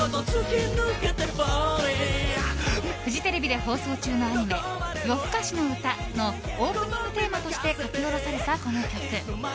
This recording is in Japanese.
フジテレビで放送中のアニメ「よふかしのうた」のオープニングテーマとして書き下ろされた、この曲。